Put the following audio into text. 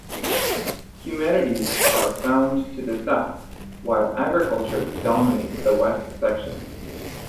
Humanities are found to the south, while Agriculture dominates the west section.